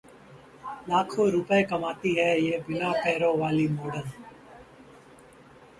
लाखों रुपये कमाती है ये बिना पैरों वाली मॉडल